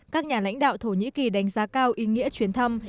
các nhà lãnh đạo thổ nhĩ kỳ đánh giá cao ý nghĩa chuyến thăm